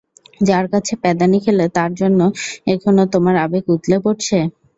যার কাছে প্যাঁদানি খেলে তার জন্য এখনো তোমার আবেগ উথলে পড়ছে?